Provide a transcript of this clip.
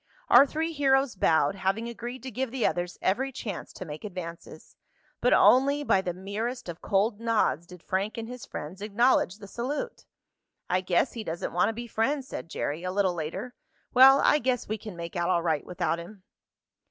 Our three heroes bowed, having agreed to give the others every chance to make advances. But only by the merest of cold nods did Frank and his friends acknowledge the salute. "I guess he doesn't want to be friends," said Jerry, a little later. "Well, I guess we can make out all right without him."